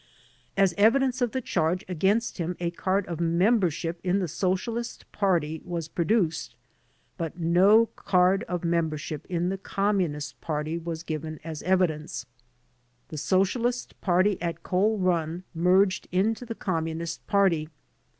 As evidence of the charge against him a card of membership in the Socialist Party was produced, but no card of mem bership in the Communist Party was given as evidence. HOW THE ARRESTS WERE MADE 29 The Socialist Party at Coal Run merged into the Com munist Party.